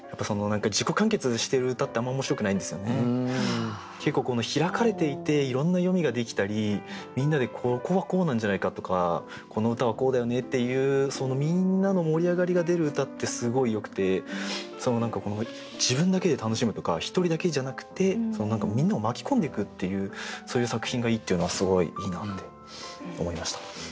やっぱり短歌も結構開かれていていろんな読みができたりみんなで「ここはこうなんじゃないか？」とか「この歌はこうだよね」っていう何か自分だけで楽しむとか１人だけじゃなくてみんなを巻き込んでいくっていうそういう作品がいいっていうのはすごいいいなって思いました。